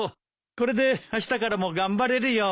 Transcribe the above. これであしたからも頑張れるよ。